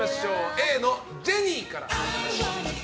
Ａのジェニーから。